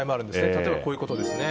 例えばこういうことです。